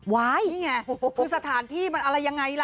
นี่ไงคือสถานที่มันอะไรยังไงล่ะ